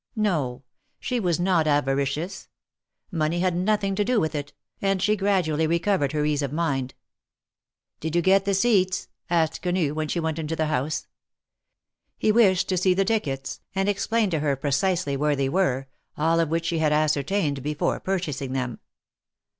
No; she was not avaricious. Money had nothing to do with it, and she gradually recovered her ease of mind. ''Did you get the seats?'' asked Quenu, when she went into the house. He wished to see the tickets, and explained to her precisely where they were, all of which she had ascertained before purchasing them.